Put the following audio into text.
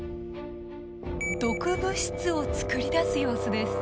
毒物質を作り出す様子です。